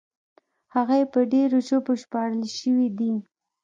هغه یې په ډېرو ژبو ژباړل شوي دي.